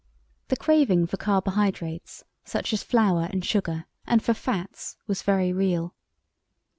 The craving for carbohydrates, such as flour and sugar, and for fats was very real.